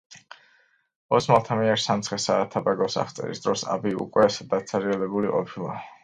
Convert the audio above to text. ოსმალთა მიერ სამცხე-საათაბაგოს აღწერის დროს აბი უკვე დაცარიელებული ყოფილა.